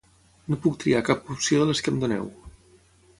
No puc triar cap opció de les que em doneu.